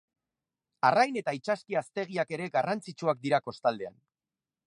Arrain- eta itsaski-haztegiak ere garrantzitsuak dira kostaldean.